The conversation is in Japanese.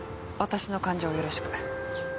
私の患者をよろしく。